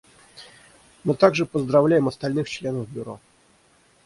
Мы также поздравляем остальных членов Бюро.